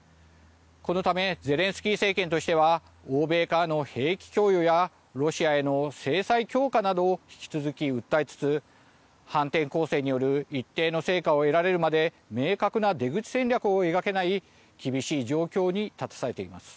このためゼレンスキー政権としては欧米からの兵器供与やロシアへの制裁強化などを引き続き訴えつつ反転攻勢による一定の成果を得られるまで明確な出口戦略を描けない厳しい状況に立たされています。